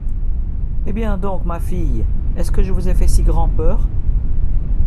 Eh bien, donc, ma fille ! est-ce que je vous fais si grand’peur ?